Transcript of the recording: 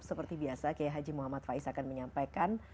seperti biasa kiai haji muhammad faiz akan menyampaikan